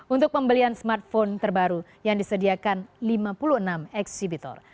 untuk pembelian smartphone terbaru yang disediakan lima puluh enam eksibitor